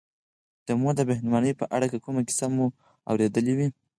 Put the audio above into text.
د مور د مهربانیو په اړه که کومه کیسه مو اورېدلې وي.